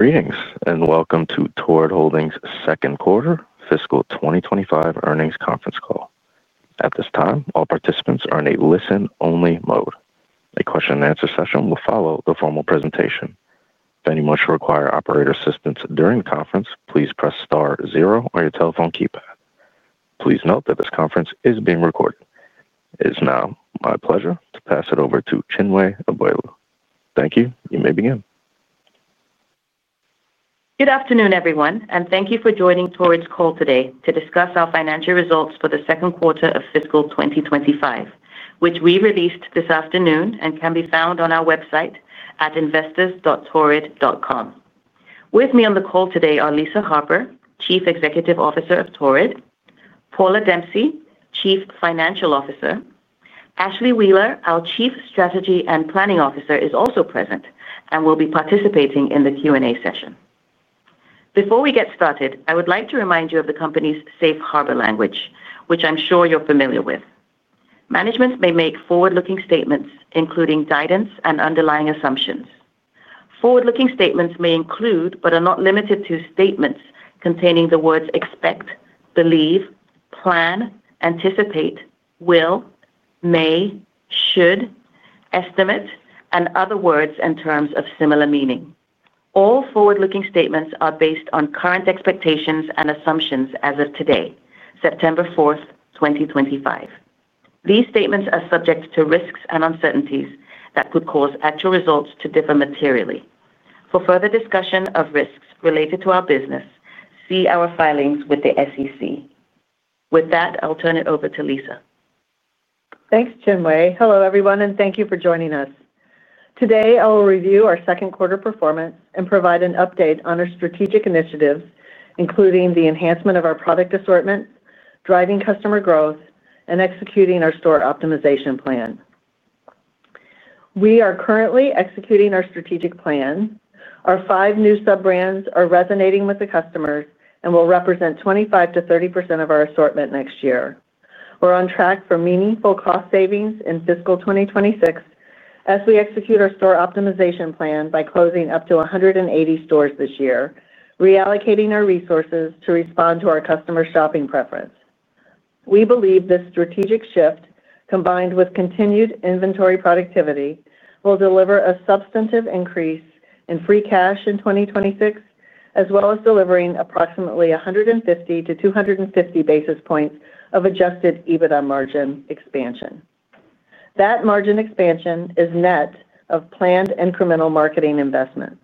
Greetings and welcome to Torrid Holdings' Second Quarter Fiscal 2025 Earnings Conference Call. At this time, all participants are in a listen-only mode. A question- and- answer session will follow the formal presentation. If anyone should require operator assistance during the conference, please press star zero on your telephone keypad. Please note that this conference is being recorded. It is now my pleasure to pass it over to Chinwe Abaelu. Thank you. You may begin. Good afternoon, everyone, and thank you for joining Torrid's call today to discuss our financial results for the second quarter of fiscal 2025, which we released this afternoon and can be found on our website at investors.torrid.com. With me on the call today are Lisa Harper, Chief Executive Officer of Torrid, Paula Dempsey, Chief Financial Officer, and Ashlee Wheeler, our Chief Strategy and Planning Officer, is also present and will be participating in the Q&A session. Before we get started, I would like to remind you of the company's safe harbor language, which I'm sure you're familiar with. Management may make forward-looking statements, including guidance and underlying assumptions. Forward-looking statements may include, but are not limited to, statements containing the words expect, believe, plan, anticipate, will, may, should, estimate, and other words and terms of similar meaning. All forward-looking statements are based on current expectations and assumptions as of today, September 4, 2025. These statements are subject to risks and uncertainties that could cause actual results to differ materially. For further discussion of risks related to our business, see our filings with the SEC. With that, I'll turn it over to Lisa. Thanks, Chinwe. Hello everyone, and thank you for joining us. Today, I will review our second quarter performance and provide an update on our strategic initiatives, including the enhancement of our product assortment, driving customer growth, and executing our store optimization plan. We are currently executing our strategic plan. Our five new sub-brands are resonating with the customers and will represent 25% - 30% of our assortment next year. We're on track for meaningful cost savings in fiscal 2026 as we execute our store optimization plan by closing up to 180 stores this year, reallocating our resources to respond to our customers' shopping preference. We believe this strategic shift, combined with continued inventory productivity, will deliver a substantive increase in free cash in 2026, as well as delivering approximately 150- 250 basis points of adjusted EBITDA margin expansion. That margin expansion is net of planned incremental marketing investment.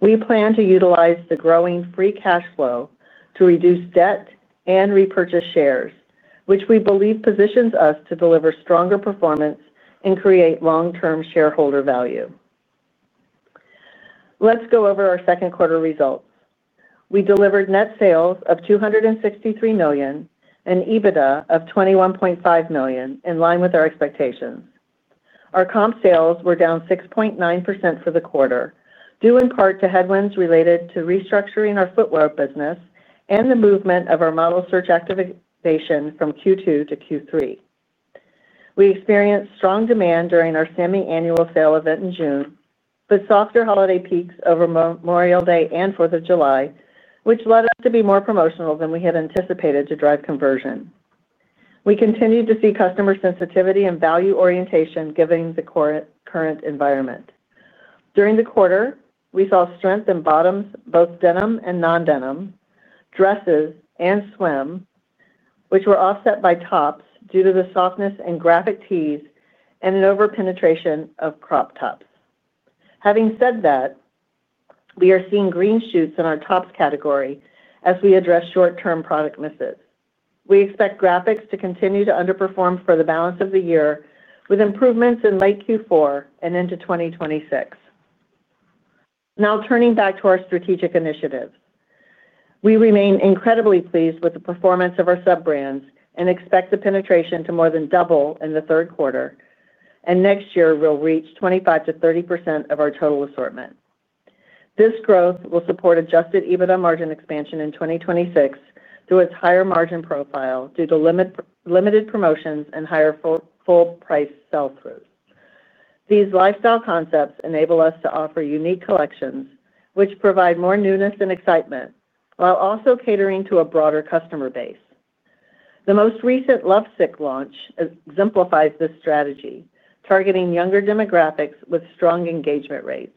We plan to utilize the growing free cash flow to reduce debt and repurchase shares, which we believe positions us to deliver stronger performance and create long-term shareholder value. Let's go over our second quarter results. We delivered net sales of $263 million and EBITDA of $21.5 million, in line with our expectations. Our comp sales were down 6.9% for the quarter, due in part to headwinds related to restructuring our footwear business and the movement of our model search activation from Q2 - Q3. We experienced strong demand during our semi-annual sale event in June, but softer holiday peaks over Memorial Day and 4th of July, which led us to be more promotional than we had anticipated to drive conversion. We continued to see customer sensitivity and value orientation given the current environment. During the quarter, we saw strength in bottoms, both denim and non-denim, dresses, and swim, which were offset by tops due to the softness in graphic tees and an over-penetration of crop tops. Having said that, we are seeing green shoots in our tops category as we address short-term product misses. We expect graphics to continue to underperform for the balance of the year, with improvements in late Q4 and into 2026. Now, turning back to our strategic initiatives, we remain incredibly pleased with the performance of our sub-brands and expect the penetration to more than double in the third quarter, and next year we'll reach 25%- 30% of our total assortment. This growth will support adjusted EBITDA margin expansion in 2026 through its higher margin profile due to limited promotions and higher full-price sell-throughs. These lifestyle concepts enable us to offer unique collections, which provide more newness and excitement, while also catering to a broader customer base. The most recent LoveSick launch exemplifies this strategy, targeting younger demographics with strong engagement rates.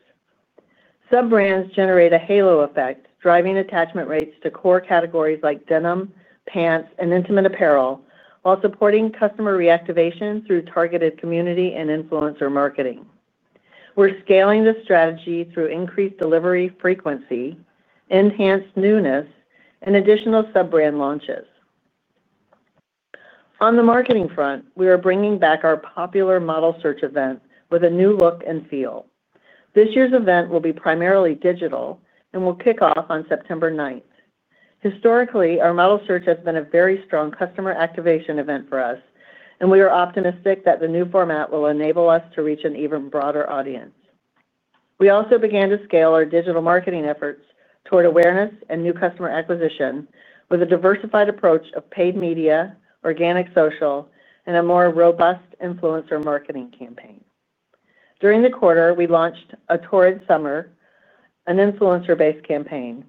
Sub-brands generate a halo effect, driving attachment rates to core categories like denim, pants, and intimates, while supporting customer reactivation through targeted community and influencer marketing. We're scaling this strategy through increased delivery frequency, enhanced newness, and additional sub-brand launches. On the marketing front, we are bringing back our popular model search event with a new look and feel. This year's event will be primarily digital and will kick off on September 9th. Historically, our model search has been a very strong customer activation event for us, and we are optimistic that the new format will enable us to reach an even broader audience. We also began to scale our digital marketing efforts toward awareness and new customer acquisition with a diversified approach of paid media, organic social, and a more robust influencer marketing campaign. During the quarter, we launched A Torrid Summer, an influencer-based campaign.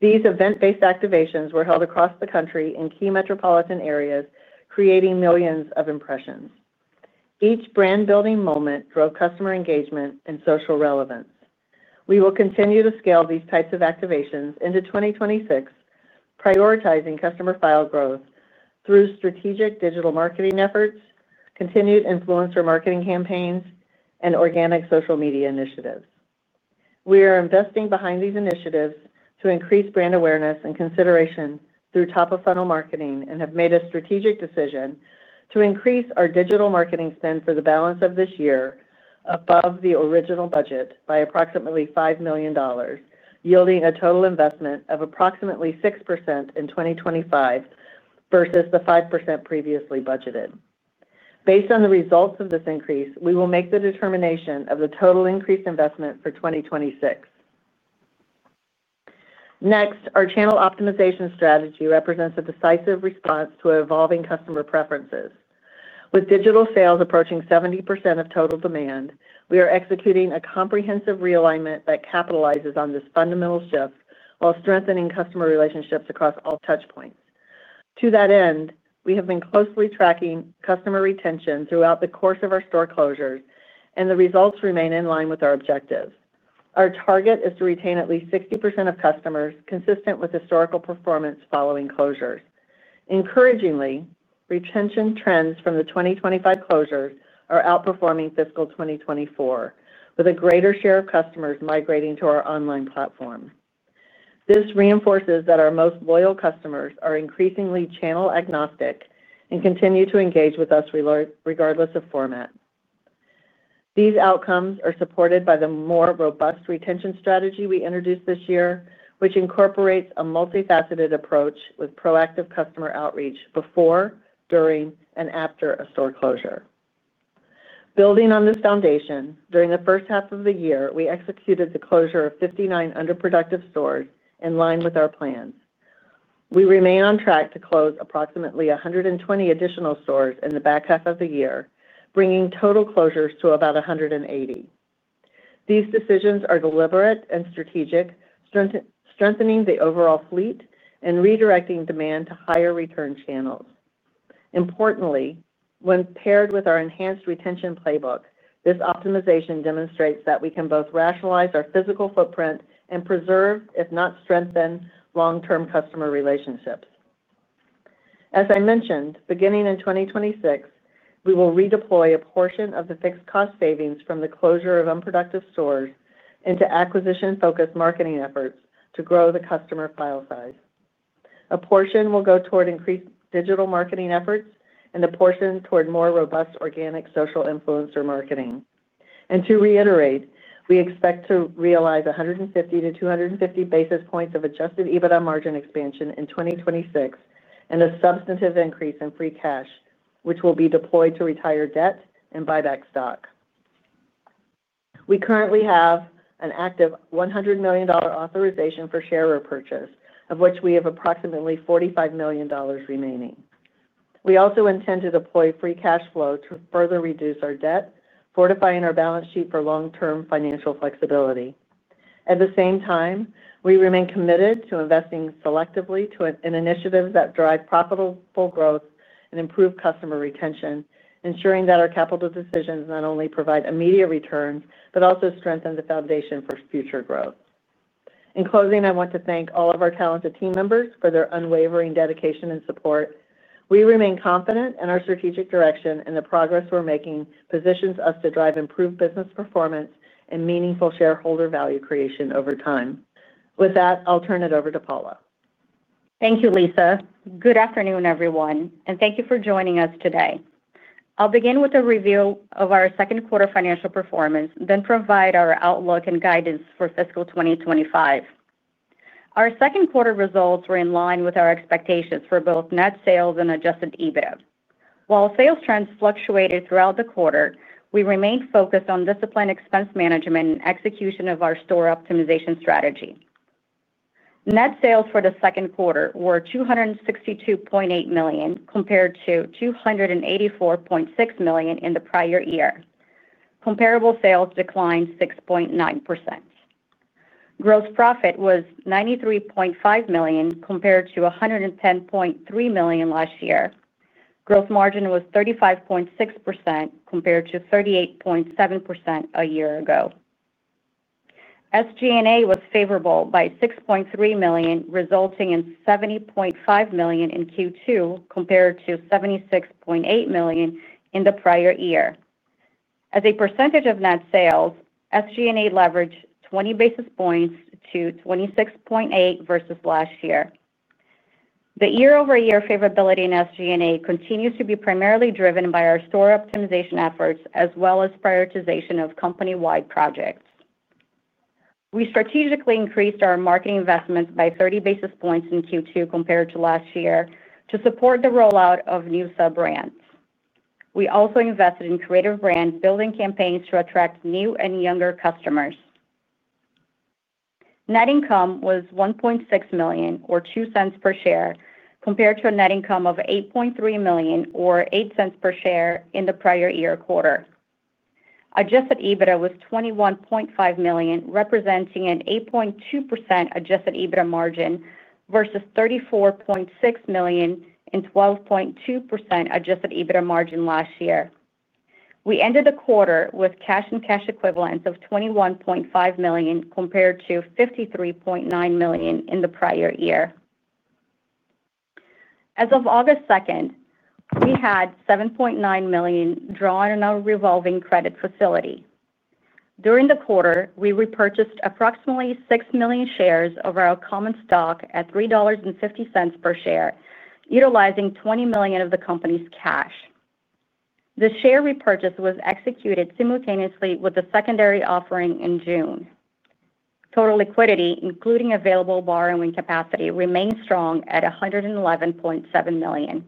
These event-based activations were held across the country in key metropolitan areas, creating millions of impressions. Each brand-building moment drove customer engagement and social relevance. We will continue to scale these types of activations into 2026, prioritizing customer file growth through strategic digital marketing efforts, continued influencer marketing campaigns, and organic social media initiatives. We are investing behind these initiatives to increase brand awareness and consideration through top-of-funnel marketing and have made a strategic decision to increase our digital marketing spend for the balance of this year above the original budget by approximately $5 million, yielding a total investment of approximately 6% in 2025 versus the 5% previously budgeted. Based on the results of this increase, we will make the determination of the total increased investment for 2026. Next, our channel optimization strategy represents a decisive response to evolving customer preferences. With digital sales approaching 70% of total demand, we are executing a comprehensive realignment that capitalizes on this fundamental shift while strengthening customer relationships across all touchpoints. To that end, we have been closely tracking customer retention throughout the course of our store closures, and the results remain in line with our objective. Our target is to retain at least 60% of customers, consistent with historical performance following closures. Encouragingly, retention trends from the 2025 closures are outperforming fiscal 2024, with a greater share of customers migrating to our online platform. This reinforces that our most loyal customers are increasingly channel agnostic and continue to engage with us regardless of format. These outcomes are supported by the more robust retention strategy we introduced this year, which incorporates a multifaceted approach with proactive customer outreach before, during, and after a store closure. Building on this foundation, during the first half of the year, we executed the closure of 59 underproductive stores in line with our plan. We remain on track to close approximately 120 additional stores in the back half of the year, bringing total closures to about 180. These decisions are deliberate and strategic, strengthening the overall fleet and redirecting demand to higher return channels. Importantly, when paired with our enhanced retention playbook, this optimization demonstrates that we can both rationalize our physical footprint and preserve, if not strengthen, long-term customer relationships. As I mentioned, beginning in 2026, we will redeploy a portion of the fixed cost savings from the closure of unproductive stores into acquisition-focused marketing efforts to grow the customer file size. A portion will go toward increased digital marketing efforts and a portion toward more robust organic social influencer marketing. To reiterate, we expect to realize 150 - 250 basis points of adjusted EBITDA margin expansion in 2026 and a substantive increase in free cash, which will be deployed to retire debt and buy back stock. We currently have an active $100 million authorization for share repurchase, of which we have approximately $45 million remaining. We also intend to deploy free cash flow to further reduce our debt, fortifying our balance sheet for long-term financial flexibility. At the same time, we remain committed to investing selectively in initiatives that drive profitable growth and improve customer retention, ensuring that our capital decisions not only provide immediate returns but also strengthen the foundation for future growth. In closing, I want to thank all of our talented team members for their unwavering dedication and support. We remain confident in our strategic direction, and the progress we're making positions us to drive improved business performance and meaningful shareholder value creation over time. With that, I'll turn it over to Paula. Thank you, Lisa. Good afternoon, everyone, and thank you for joining us today. I'll begin with a review of our second quarter financial performance, then provide our outlook and guidance for fiscal 2025. Our second quarter results were in line with our expectations for both net sales and adjusted EBITDA. While sales trends fluctuated throughout the quarter, we remained focused on disciplined expense management and execution of our store optimization strategy. Net sales for the second quarter were $262.8 million compared to $284.6 million in the prior year. Comparable sales declined 6.9%. Gross profit was $93.5 million compared to $110.3 million last year. Gross margin was 35.6% compared to 38.7% a year ago. SG&A was favorable by $6.3 million, resulting in $70.5 million in Q2 compared to $76.8 million in the prior year. As a percentage of net sales, SG&A leveraged 20 basis points to 26.8% versus last year. The year-over-year favorability in SG&A continues to be primarily driven by our store optimization efforts, as well as prioritization of company-wide projects. We strategically increased our marketing investments by 30 basis points in Q2 compared to last year to support the rollout of new sub-brands. We also invested in creative brand building campaigns to attract new and younger customers. Net income was $1.6 million or $0.02 per share compared to a net income of $8.3 million or $0.08 per share in the prior year quarter. Adjusted EBITDA was $21.5 million, representing an 8.2% adjusted EBITDA margin versus $34.6 million and 12.2% adjusted EBITDA margin last year. We ended the quarter with cash and cash equivalents of $21.5 million compared to $53.9 million in the prior year. As of August 2, we had $7.9 million drawn in our revolving credit facility. During the quarter, we repurchased approximately 6 million shares of our common stock at $3.50 per share, utilizing $20 million of the company's cash. The share repurchase was executed simultaneously with the secondary offering in June. Total liquidity, including available borrowing capacity, remains strong at $111.7 million.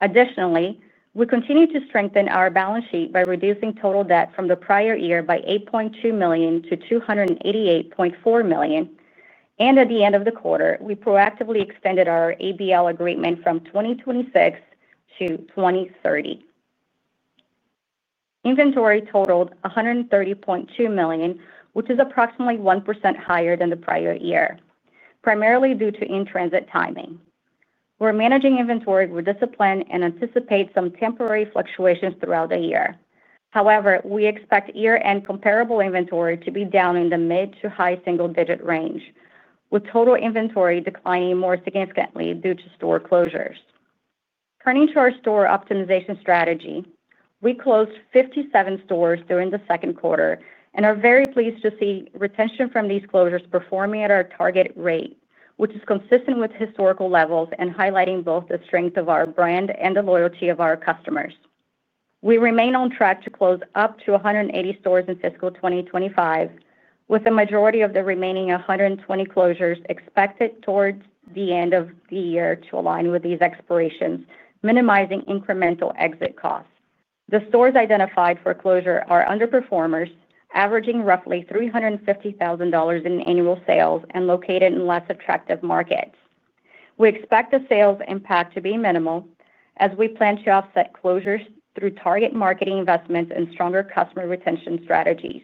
Additionally, we continue to strengthen our balance sheet by reducing total debt from the prior year by $8.2 million - $288.4 million, and at the end of the quarter, we proactively extended our ABL agreement from 2026 - 2030. Inventory totaled $130.2 million, which is approximately 1% higher than the prior year, primarily due to in-transit timing. We're managing inventory with discipline and anticipate some temporary fluctuations throughout the year. However, we expect year-end comparable inventory to be down in the mid to high single-digit range, with total inventory declining more significantly due to store closures. Turning to our store optimization strategy, we closed 57 stores during the second quarter and are very pleased to see retention from these closures performing at our target rate, which is consistent with historical levels and highlighting both the strength of our brand and the loyalty of our customers. We remain on track to close up to 180 stores in fiscal 2025, with the majority of the remaining 120 closures expected towards the end of the year to align with these expirations, minimizing incremental exit costs. The stores identified for closure are underperformers, averaging roughly $350,000 in annual sales and located in less attractive markets. We expect the sales impact to be minimal, as we plan to offset closures through target marketing investments and stronger customer retention strategies.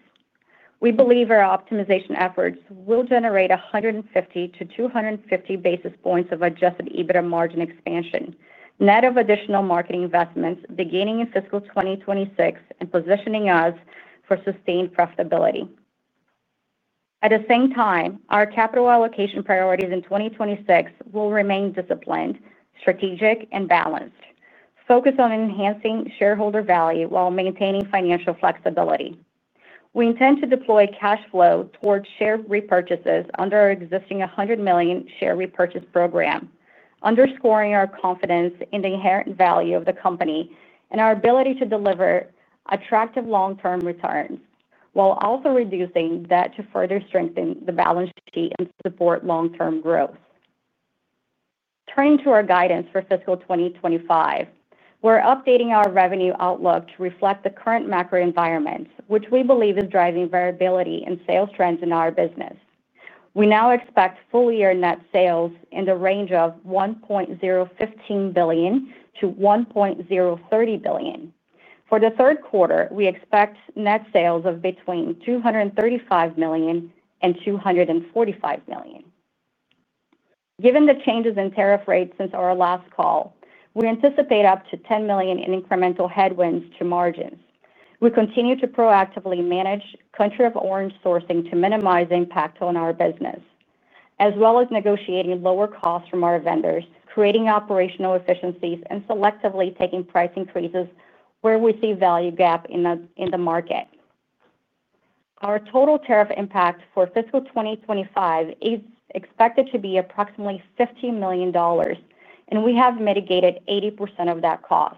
We believe our optimization efforts will generate 150 - 250 basis points of adjusted EBITDA margin expansion, net of additional marketing investments beginning in fiscal 2026 and positioning us for sustained profitability. At the same time, our capital allocation priorities in 2026 will remain disciplined, strategic, and balanced, focused on enhancing shareholder value while maintaining financial flexibility. We intend to deploy cash flow towards share repurchases under our existing $100 million share repurchase program, underscoring our confidence in the inherent value of the company and our ability to deliver attractive long-term returns, while also reducing debt to further strengthen the balance sheet and support long-term growth. Turning to our guidance for fiscal 2025, we're updating our revenue outlook to reflect the current macro environment, which we believe is driving variability in sales trends in our business. We now expect full-year net sales in the range of $1.015 billion - $1.030 billion. For the third quarter, we expect net sales of between $235 million and $245 million. Given the changes in tariff rates since our last call, we anticipate up to $10 million in incremental headwinds to margins. We continue to proactively manage country-of-origin sourcing to minimize impact on our business, as well as negotiating lower costs from our vendors, creating operational efficiencies, and selectively taking price increases where we see value gap in the market. Our total tariff impact for fiscal 2025 is expected to be approximately $15 million, and we have mitigated 80% of that cost.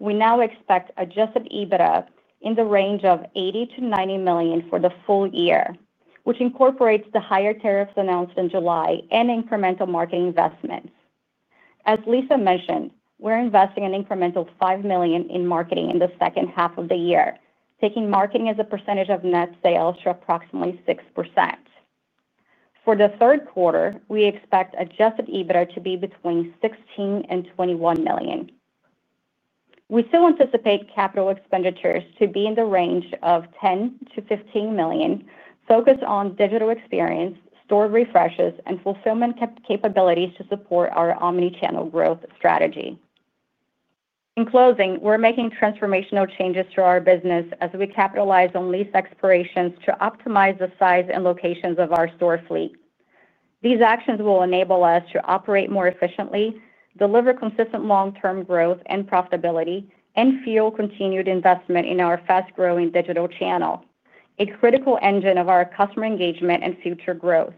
We now expect adjusted EBITDA in the range of $80 - $90 million for the full year, which incorporates the higher tariffs announced in July and incremental marketing investments. As Lisa mentioned, we're investing an incremental $5 million in marketing in the second half of the year, taking marketing as a percentage of net sales to approximately 6%. For the third quarter, we expect adjusted EBITDA to be between $16 and $21 million. We still anticipate capital expenditures to be in the range of $10 - $15 million, focused on digital experience, store refreshes, and fulfillment capabilities to support our omnichannel growth strategy. In closing, we're making transformational changes to our business as we capitalize on lease expirations to optimize the size and locations of our store fleet. These actions will enable us to operate more efficiently, deliver consistent long-term growth and profitability, and fuel continued investment in our fast-growing digital channel, a critical engine of our customer engagement and future growth.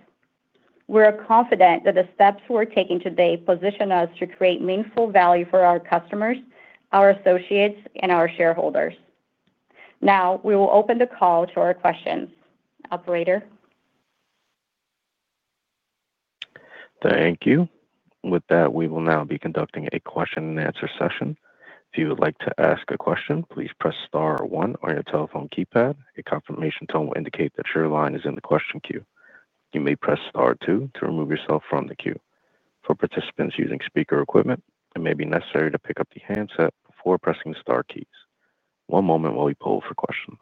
We're confident that the steps we're taking today position us to create meaningful value for our customers, our associates, and our shareholders. Now, we will open the call to questions. Operator? Thank you. With that, we will now be conducting a question- and- answer session. If you would like to ask a question, please press star one on your telephone keypad. A confirmation tone will indicate that your line is in the question queue. You may press star two to remove yourself from the queue. For participants using speaker equipment, it may be necessary to pick up the handset before pressing star keys. One moment while we poll for questions.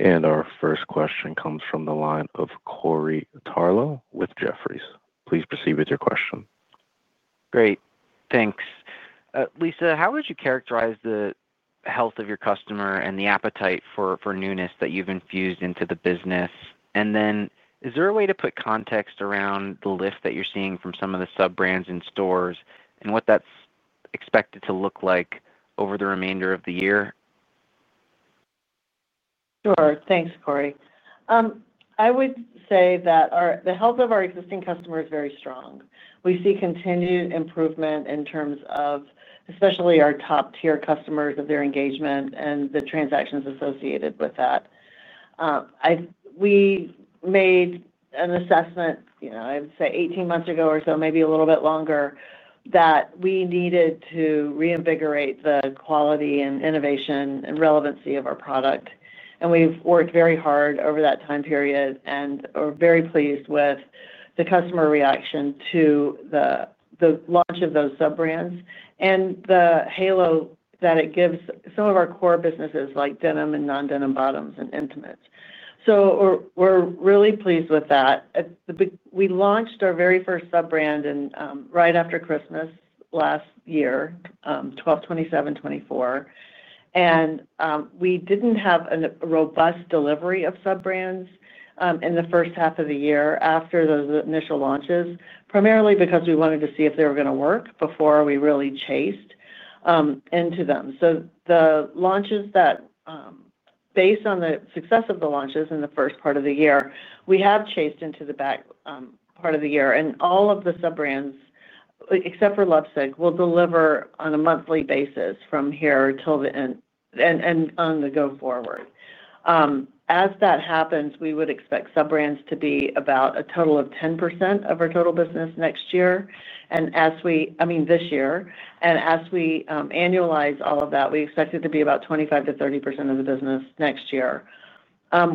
Our first question comes from the line of Corey Tarlowe with Jefferies. Please proceed with your question. Great, thanks. Lisa, how would you characterize the health of your customer and the appetite for newness that you've infused into the business? Is there a way to put context around the lift that you're seeing from some of the sub-brands in stores and what that's expected to look like over the remainder of the year? Sure, thanks, Corey. I would say that the health of our existing customer is very strong. We see continued improvement in terms of especially our top-tier customers, of their engagement and the transactions associated with that. We made an assessment, I would say 18 months ago or so, maybe a little bit longer, that we needed to reinvigorate the quality and innovation and relevancy of our product. We've worked very hard over that time period and are very pleased with the customer reaction to the launch of those sub-brands and the halo that it gives some of our core businesses like denim, non-denim bottoms, and intimates. We're really pleased with that. We launched our very first sub-brand right after Christmas last year, 12/27/2024, and we didn't have a robust delivery of sub-brands in the first half of the year after those initial launches, primarily because we wanted to see if they were going to work before we really chased into them. The launches that, based on the success of the launches in the first part of the year, we have chased into the back part of the year, and all of the sub-brands, except for LoveSick, will deliver on a monthly basis from here till the end and on the go forward. As that happens, we would expect sub-brands to be about a total of 10% of our total business this year, and as we annualize all of that, we expect it to be about 25% - 30% of the business next year.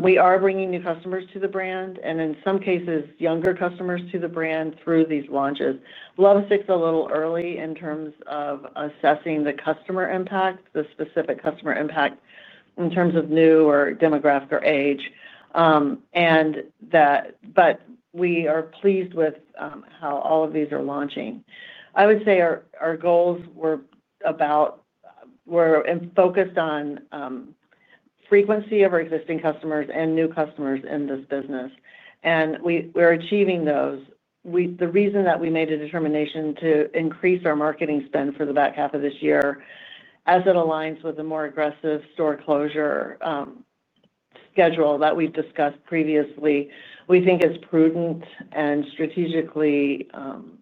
We are bringing new customers to the brand and, in some cases, younger customers to the brand through these launches. LoveSick's a little early in terms of assessing the customer impact, the specific customer impact in terms of new or demographic or age, and that, but we are pleased with how all of these are launching. I would say our goals were about, we're focused on frequency of our existing customers and new customers in this business, and we're achieving those. The reason that we made a determination to increase our marketing spend for the back half of this year, as it aligns with a more aggressive store closure schedule that we've discussed previously, we think it's prudent and strategically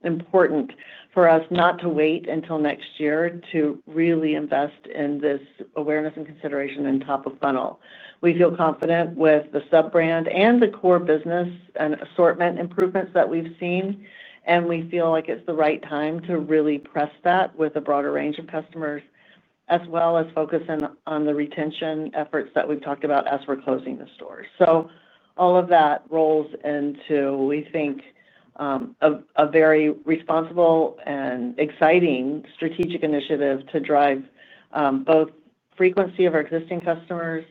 important for us not to wait until next year to really invest in this awareness and consideration in top of funnel. We feel confident with the sub-brand and the core business and assortment improvements that we've seen, and we feel like it's the right time to really press that with a broader range of customers, as well as focus in on the retention efforts that we've talked about as we're closing the stores. All of that rolls into, we think, a very responsible and exciting strategic initiative to drive both frequency of our existing customers,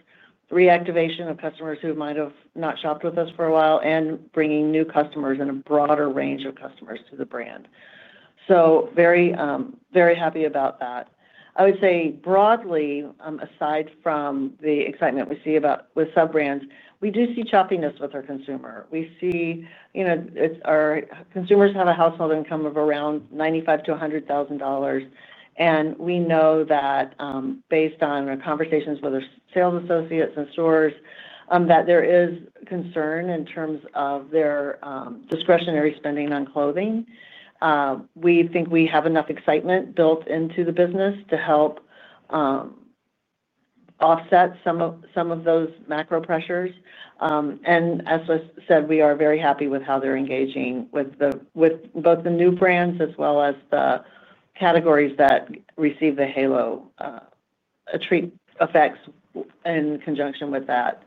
reactivation of customers who might have not shopped with us for a while, and bringing new customers and a broader range of customers to the brand. Very, very happy about that. I would say broadly, aside from the excitement we see about with sub-brands, we do see choppiness with our consumer. We see our consumers have a household income of around $95,000 - $100,000, and we know that, based on our conversations with our sales associates and stores, that there is concern in terms of their discretionary spending on clothing. We think we have enough excitement built into the business to help offset some of those macro pressures, and as was said, we are very happy with how they're engaging with both the new brands as well as the categories that receive the halo effects in conjunction with that.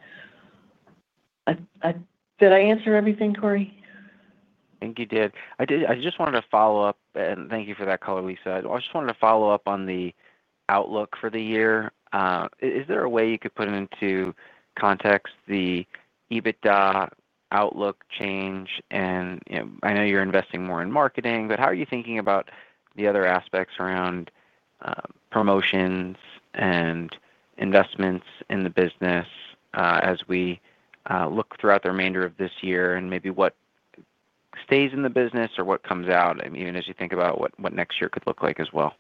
Did I answer everything, Corey? I just wanted to follow up, and thank you for that call, Lisa. I just wanted to follow up on the outlook for the year. Is there a way you could put into context the EBITDA outlook change? I know you're investing more in marketing, but how are you thinking about the other aspects around promotions and investments in the business as we look throughout the remainder of this year and maybe what stays in the business or what comes out, even as you think about what next year could look like as well?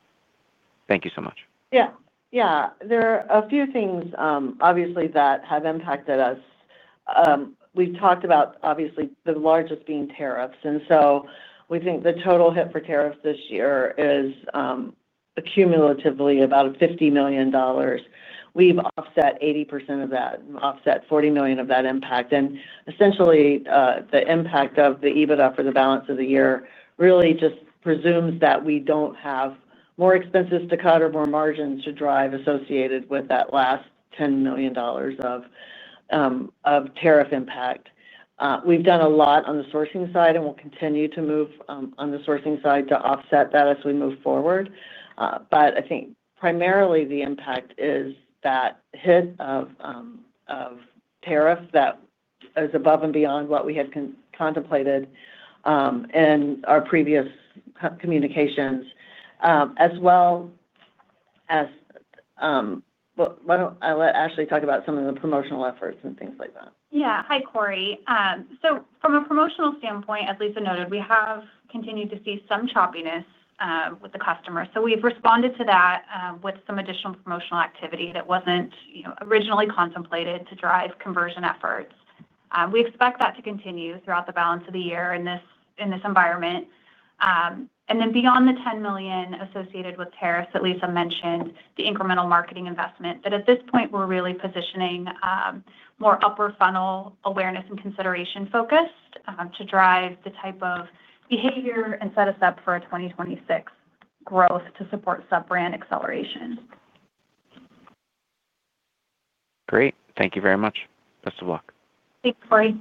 Thank you so much. Yeah, yeah. There are a few things, obviously, that have impacted us. We've talked about, obviously, the largest being tariffs, and we think the total hit for tariffs this year is cumulatively about $50 million. We've offset 80% of that and offset $40 million of that impact, and essentially, the impact to the EBITDA for the balance of the year really just presumes that we don't have more expenses to cut or more margins to drive associated with that last $10 million of tariff impact. We've done a lot on the sourcing side, and we'll continue to move on the sourcing side to offset that as we move forward. I think primarily the impact is that hit of tariffs that is above and beyond what we had contemplated in our previous communications, as well as, why don't I let Ashlee talk about some of the promotional efforts and things like that? Hi, Corey. From a promotional standpoint, as Lisa noted, we have continued to see some choppiness with the customers. We have responded to that with some additional promotional activity that wasn't originally contemplated to drive conversion efforts. We expect that to continue throughout the balance of the year in this environment. Beyond the $10 million associated with tariffs that Lisa mentioned, the incremental marketing investment at this point is really positioning more upper funnel awareness and consideration focused to drive the type of behavior and set us up for a 2026 growth to support sub-brand acceleration. Great, thank you very much. Best of luck. Thanks, Corey.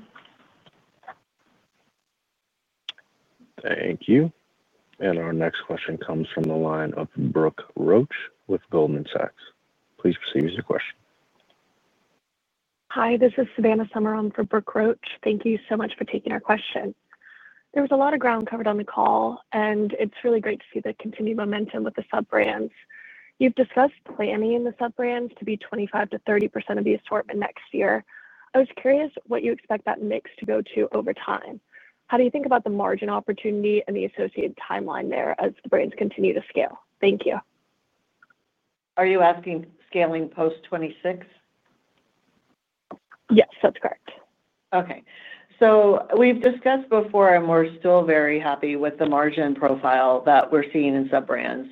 Thank you. Our next question comes from the line of Brooke Roach with Goldman Sachs. Please proceed with your question. Hi, this is Savannah Sommer on for Brooke Roach. Thank you so much for taking our question. There was a lot of ground covered on the call, and it's really great to see the continued momentum with the sub-brands. You've discussed planning the sub-brands to be 25% - 30% of the assortment next year. I was curious what you expect that mix to go to over time. How do you think about the margin opportunity and the associated timeline there as the brands continue to scale? Thank you. Are you asking scaling post 2026? Yes, that's correct. Okay. We've discussed before, and we're still very happy with the margin profile that we're seeing in sub-brands,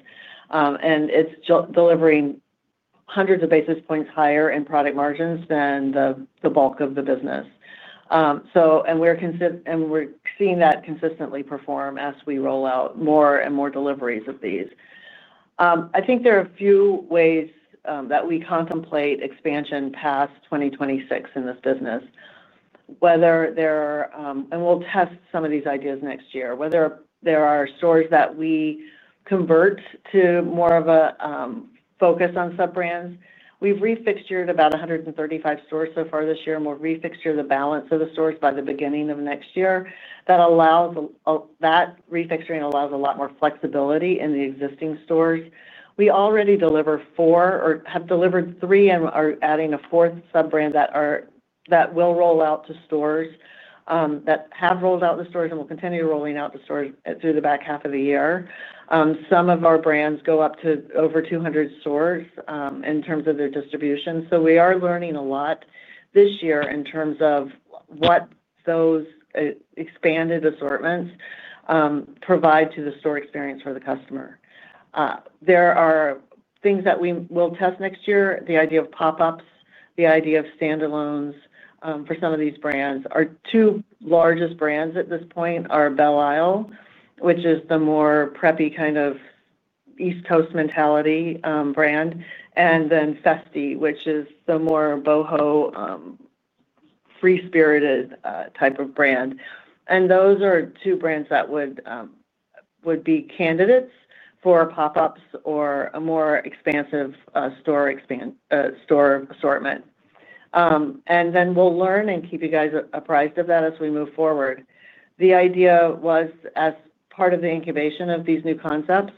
and it's delivering hundreds of basis points higher in product margins than the bulk of the business. We're seeing that consistently perform as we roll out more and more deliveries of these. I think there are a few ways that we contemplate expansion past 2026 in this business. We'll test some of these ideas next year, whether there are stores that we convert to more of a focus on sub-brands. We've refixtured about 135 stores so far this year, and we'll refixture the balance of the stores by the beginning of next year. That refixturing allows a lot more flexibility in the existing stores. We already deliver four or have delivered three and are adding a fourth sub-brand that will roll out to stores and will continue rolling out to stores through the back half of the year. Some of our brands go up to over 200 stores in terms of their distribution, so we are learning a lot this year in terms of what those expanded assortments provide to the store experience for the customer. There are things that we will test next year, the idea of pop-ups, the idea of standalones for some of these brands. Our two largest brands at this point are Belle Isle, which is the more preppy kind of East Coast mentality brand, and then Festi, which is the more boho, free-spirited type of brand. Those are two brands that would be candidates for pop-ups or a more expansive store assortment. We'll learn and keep you guys apprised of that as we move forward. The idea was as part of the incubation of these new concepts,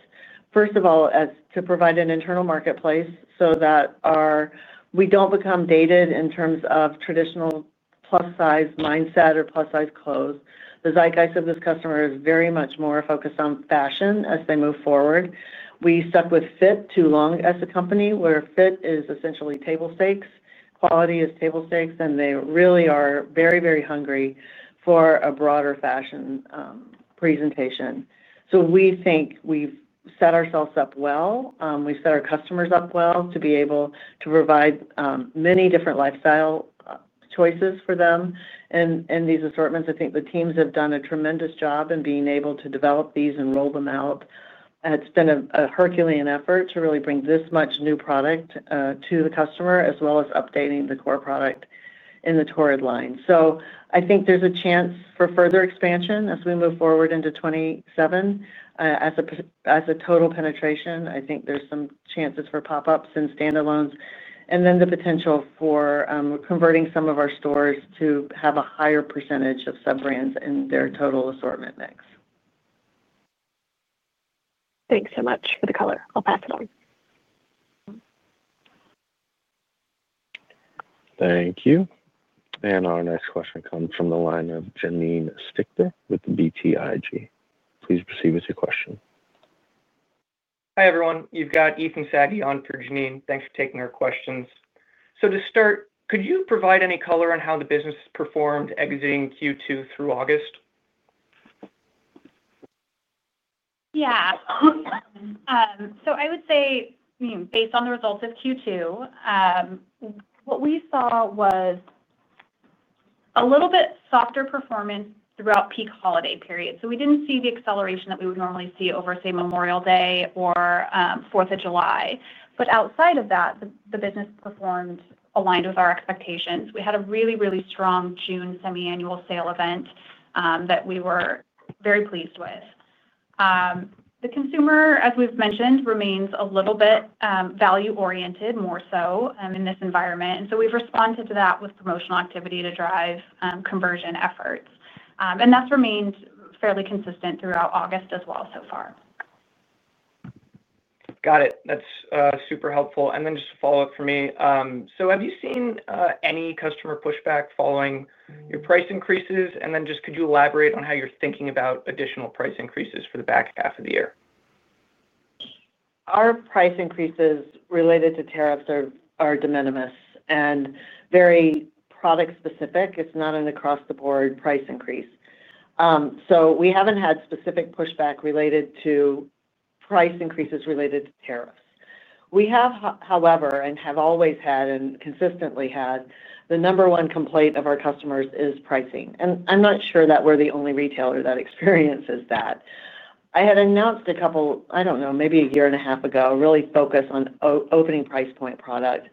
first of all, to provide an internal marketplace so that we don't become dated in terms of traditional plus-size mindset or plus-size clothes. The zeitgeist of this customer is very much more focused on fashion as they move forward. We stuck with fit too long as a company, where fit is essentially table stakes, quality is table stakes, and they really are very, very hungry for a broader fashion presentation. We think we've set ourselves up well. We've set our customers up well to be able to provide many different lifestyle choices for them in these assortments. I think the teams have done a tremendous job in being able to develop these and roll them out. It's been a herculean effort to really bring this much new product to the customer, as well as updating the core product in the Torrid line. I think there's a chance for further expansion as we move forward into 2027. As a total penetration, I think there's some chances for pop-ups and standalones, and then the potential for converting some of our stores to have a higher percentage of sub-brands in their total assortment mix. Thanks so much for the color. I'll pass it on. Thank you. Our next question comes from the line of Janine Stichter with BTIG. Please proceed with your question. Hi, everyone. You've got Ethan Saghi on for Janine. Thanks for taking our questions. To start, could you provide any color on how the business has performed exiting Q2 through August? Yeah, so I would say, based on the results of Q2, what we saw was a little bit softer performance throughout peak holiday period. We didn't see the acceleration that we would normally see over, say, Memorial Day or 4th of July. Outside of that, the business performed aligned with our expectations. We had a really, really strong June semi-annual sale event that we were very pleased with. The consumer, as we've mentioned, remains a little bit value-oriented more so in this environment. We've responded to that with promotional activity to drive conversion efforts, and that's remained fairly consistent throughout August as well so far. Got it. That's super helpful. Just a follow-up for me. Have you seen any customer pushback following your price increases? Could you elaborate on how you're thinking about additional price increases for the back half of the year? Our price increases related to tariffs are de minimis and very product specific. It's not an across-the-board price increase. We haven't had specific pushback related to price increases related to tariffs. We have, however, and have always had and consistently had the number one complaint of our customers is pricing. I'm not sure that we're the only retailer that experiences that. I had announced a couple, I don't know, maybe 1.5 year ago, really focused on opening price point product.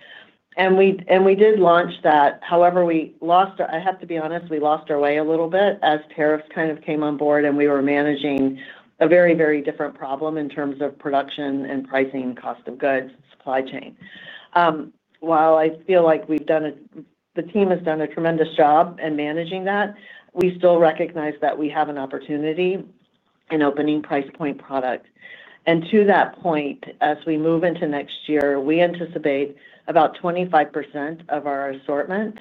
We did launch that. However, we lost our, I have to be honest, we lost our way a little bit as tariffs kind of came on board and we were managing a very, very different problem in terms of production and pricing, cost of goods, supply chain. While I feel like we've done it, the team has done a tremendous job in managing that, we still recognize that we have an opportunity in opening price point product. To that point, as we move into next year, we anticipate about 25% of our assortment,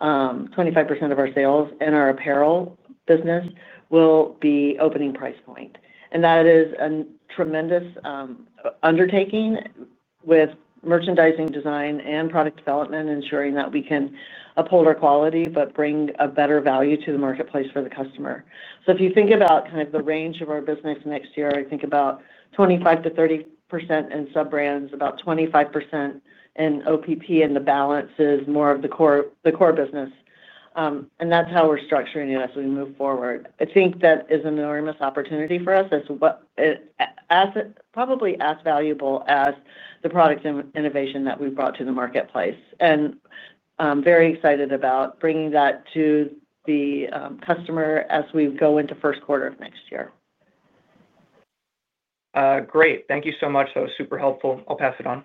25% of our sales and our apparel business will be opening price point. That is a tremendous undertaking with merchandising design and product development, ensuring that we can uphold our quality but bring a better value to the marketplace for the customer. If you think about kind of the range of our business next year, I think about 25% - 30% in sub-brands, about 25% in OPP, and the balance is more of the core business. That's how we're structuring it as we move forward. I think that is an enormous opportunity for us as probably as valuable as the product innovation that we brought to the marketplace. I'm very excited about bringing that to the customer as we go into the first quarter of next year. Great. Thank you so much. That was super helpful. I'll pass it on.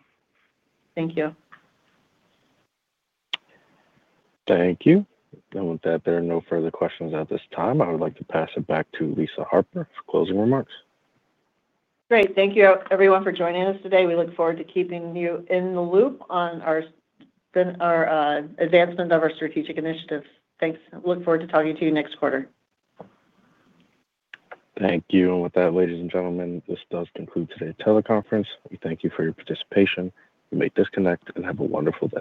Thank you. Thank you. With that, there are no further questions at this time. I would like to pass it back to Lisa Harper for closing remarks. Great. Thank you, everyone, for joining us today. We look forward to keeping you in the loop on our advancement of our strategic initiatives. Thanks. Look forward to talking to you next quarter. Thank you. With that, ladies and gentlemen, this does conclude today's teleconference. We thank you for your participation. You may disconnect and have a wonderful day.